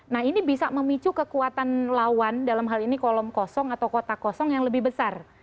nah ini bisa memicu kekuatan lawan dalam hal ini kolom kosong atau kota kosong yang lebih besar